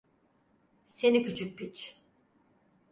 Seni küçük piç!